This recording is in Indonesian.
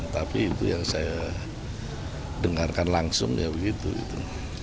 tapi itu yang saya dengarkan langsung ya begitu itu